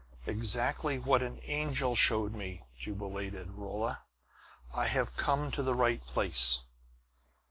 "Exactly what the angel showed me!" jubilated Holla. "I have come to the right place!"